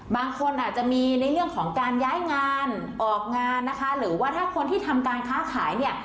บางคนอาจจะมีในเรื่องของการย้ายงานออกงานนะคะหรือว่าถ้าคนที่ทำการค้าขายเนี่ย